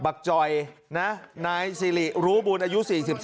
บักจ่อยบักจ่อยนะนายสิริรูบุญอายุ๔๓